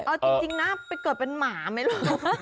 เออจริงนะเกิดเป็นหมาไม่รู้